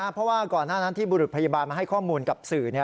เพราะว่าก่อนหน้านั้นที่บุรุษพยาบาลมาให้ข้อมูลกับสื่อ